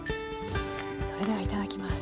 それではいただきます。